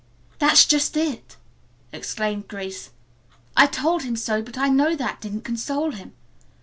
"That is just it!" exclaimed Grace. "I told him so, but I know that didn't console him.